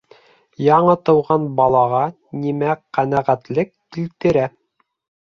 Яңы тыуған балаға нимә ҡәнәғәтлек килтерә?